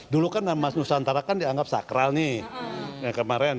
dulu kan nama nusantara kan dianggap sakral nih yang kemarin